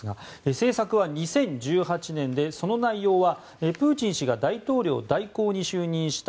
制作は２０１８年でその内容はプーチン氏が大統領代行に就任した